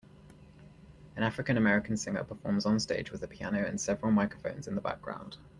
An African American singer performs on stage with a piano and several microphones in the background.